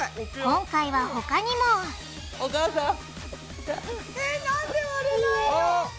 今回は他にもお母さん！